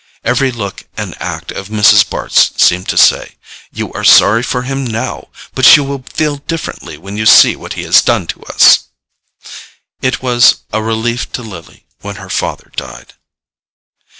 Every look and act of Mrs. Bart's seemed to say: "You are sorry for him now—but you will feel differently when you see what he has done to us." It was a relief to Lily when her father died.